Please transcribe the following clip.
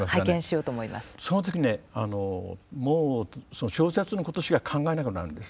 そのときねもう小説のことしか考えなくなるんです。